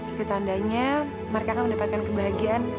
itu tandanya mereka akan mendapatkan kebahagiaan